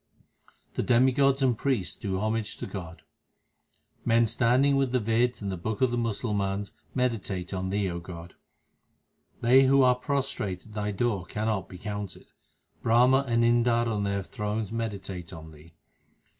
The demigods and priests do homage to God : Men standing with the Veds and the books of the Musal mans meditate on Thee, O God. They who are prostrate at Thy door cannot be counted. Brahma and Indar on their thrones meditate on Thee.